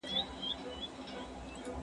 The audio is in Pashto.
پښتو خبرې واټن کموي.